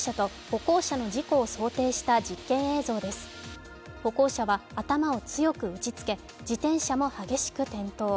歩行者は頭を強く打ちつけ自転車も激しく転倒。